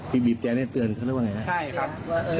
บีบแตร่เตือนเขาว่าไงนะ